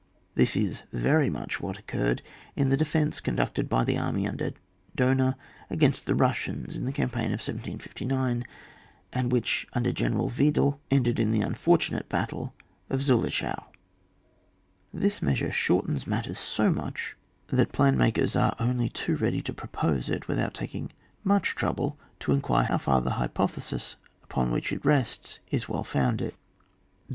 This is very much what occurred in the defence, conducted by the army imder Dohna against the Bussians, in the cam* paign of 1759, and which, under Gheneral Wedel, ended in the unfortunate battl« of Ziillichau. This measure shortens matters so much 188 ON WAE. [book VI. that plan makers are only too ready to propose it, without taking much trouble to inquire how far the hypothesis on which it rests is well founded.